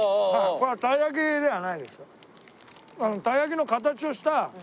これは鯛焼きではないですよ。